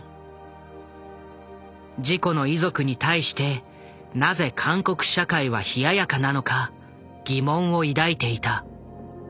事故の遺族に対してなぜ韓国社会は冷ややかなのか疑問を抱いていた。